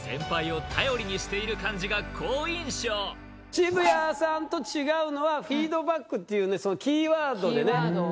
渋谷さんと違うのはフィードバックっていうねそのキーワードでねキーワード